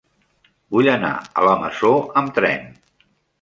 Vull anar a la Masó amb tren.